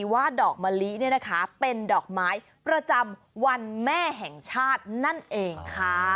ว่าดอกมะลิเนี่ยนะคะเป็นดอกไม้ประจำวันแม่แห่งชาตินั่นเองค่ะ